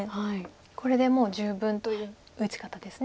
これでもう十分という打ち方です。